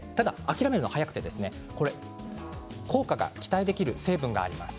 ただ諦めるのは早くて効果が期待できる成分があります。